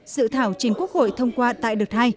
sự thảo chính quốc hội thông qua tại đợt hai